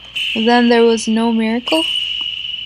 Then there was no miracle?